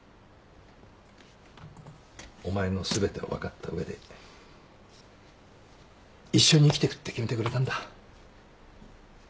お前の全てを分かった上で一緒に生きてくって決めてくれたんだ。